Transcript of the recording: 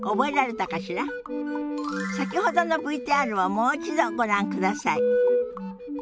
先ほどのＶＴＲをもう一度ご覧ください。